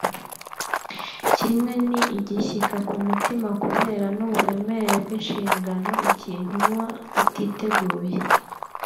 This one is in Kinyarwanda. Kimwe ni igishyika ku mutima kubera n’uburemere bw’inshingano ikintu uba utiteguye